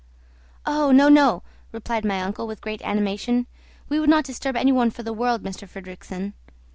"Oh, no, no!" replied my uncle with great animation, "we would not disturb any one for the world, M. Fridrikssen.